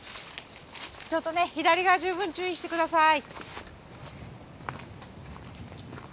ちょっとね左側十分注意して下さい。